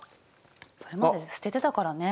それまで捨ててたからね。